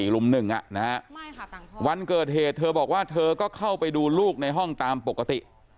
ลุม๑วันเกิดเหตุเธอบอกว่าเธอก็เข้าไปดูลูกในห้องตามปกติ